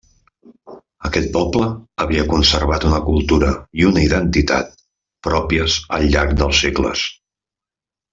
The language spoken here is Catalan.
Aquest poble havia conservat una cultura i una identitat pròpies al llarg dels segles.